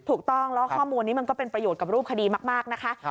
ถูกต้องแล้วข้อมูลนี้มันก็เป็นประโยชน์กับรูปคดีมากนะคะ